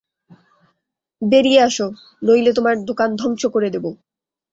বেরিয়ে আসো, নইলে তোমার দোকান ধ্বংস করে দেব।